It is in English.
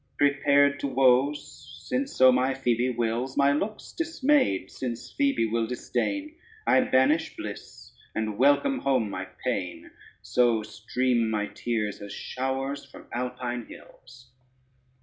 Prepared to woes, since so my Phoebe wills, My looks dismayed, since Phoebe will disdain; I banish bliss and welcome home my pain: So stream my tears as showers from Alpine hills.